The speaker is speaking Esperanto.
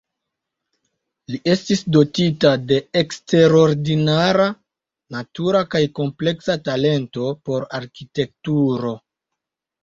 Li estis dotita de eksterordinara, natura kaj kompleksa talento por arkitekturo.